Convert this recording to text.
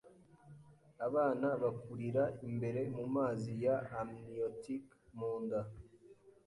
Abana bakurira imbere mumazi ya amniotic munda.